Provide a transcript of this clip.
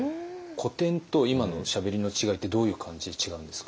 古典と今のしゃべりの違いってどういう感じで違うんですか？